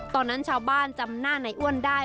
ตอนนั้นชาวบ้านจำหน้าในอ้วนได้